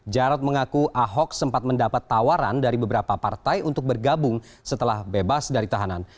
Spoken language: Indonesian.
jarod mengaku ahok sempat mendapat tawaran dari beberapa partai untuk bergabung setelah bebas dari tahanan